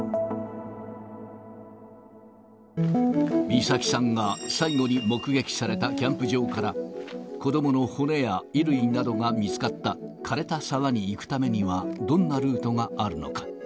美咲さんが最後に目撃されたキャンプ場から子どもの骨や衣類などが見つかった、かれた沢に行くためにはどんなルートがあるのか。